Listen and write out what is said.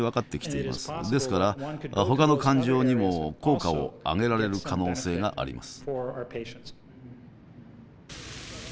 ですからほかの感情にも効果を上げられる可能性があります。